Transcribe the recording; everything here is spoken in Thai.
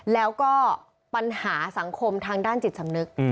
แล้วก็ปัญหาสังคมทางด้านจิตสำนึก